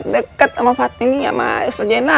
deket sama patin nih sama ustadz jena